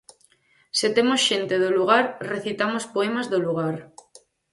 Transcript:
Se temos xente do lugar, recitamos poemas do lugar.